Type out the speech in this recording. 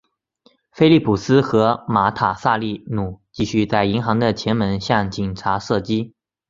菲利普斯和马塔萨利努继续在银行的前门向警察射击。